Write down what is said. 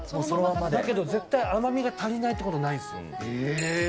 だけど絶対甘みで足りないってことないですよ。